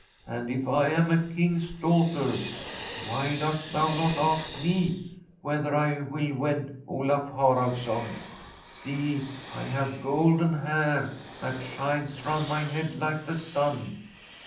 And if I am a King's daughter, why dost thou not ask me whether I will wed Olaf Haraldsson ? See, I have golden hair that shines round my head like the sun.